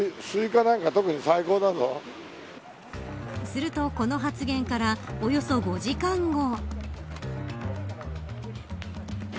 すると、この発言からおよそ５時間後。